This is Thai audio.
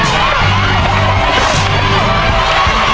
ภายในเวลา๓นาที